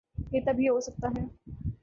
یہ تب ہی ہو سکتا ہے۔